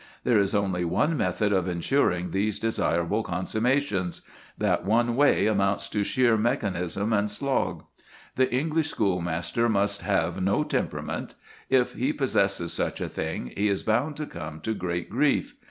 There is only one method of ensuring these desirable consummations: that one way amounts to sheer mechanism and slog. The English schoolmaster must have no temperament. If he possess such a thing, he is bound to come to great grief.